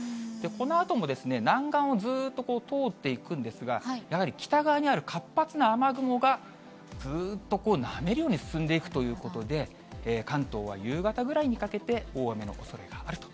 このあとも、南岸をずっと通っていくんですが、やはり北側にある活発な雨雲がずっとなめるように進んでいくということで、関東は夕方ぐらいにかけて、大雨のおそれがあると。